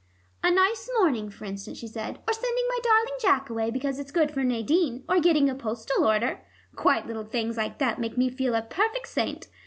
"A nice morning, for instance," she said, "or sending my darling Jack away because it's good for Nadine, or getting a postal order. Quite little things like that make me feel a perfect saint.